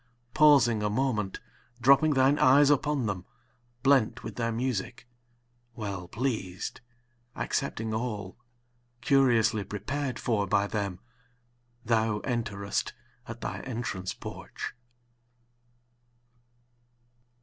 pausing a moment, drooping thine eyes upon them, blent with their music, Well pleased, accepting all, curiously prepared for by them, Thou enterest at thy entrance porch.